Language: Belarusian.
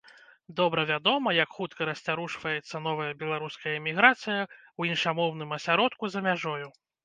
Добра вядома, як хутка расцярушваецца новая беларуская эміграцыя ў іншамоўным асяродку за мяжою.